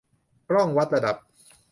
กล้องวัดระดับ